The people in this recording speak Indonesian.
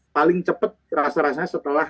paling cepat rasa rasanya setelah